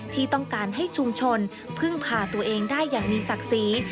ที่ต้องการให้ชุมชนพึ่งพาตัวเองได้อย่างมีศักดิ์ศรี